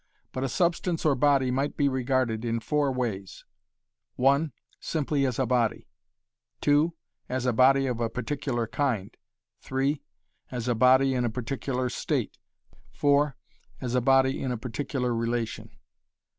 But a substance or body might be regarded in four ways (1) simply as a body (2) as a body of a particular kind (3) as a body in a particular state (4) as a body in a particular relation.